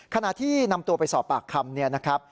ขณะที่นำตัวไปสอบปากคำ